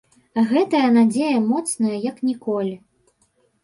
Гэтая надзея моцная як ніколі.